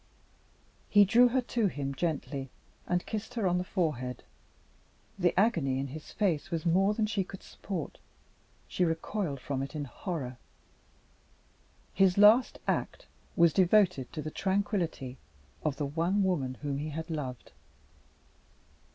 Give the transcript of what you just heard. He drew her to him gently, and kissed her on the forehead. The agony in his face was more than she could support; she recoiled from it in horror. His last act was devoted to the tranquillity of the one woman whom he had loved.